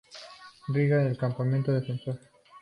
Riga es el campeón defensor.